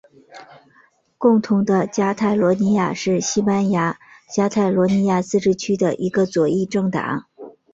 共同的加泰罗尼亚是西班牙加泰罗尼亚自治区的一个左翼政党。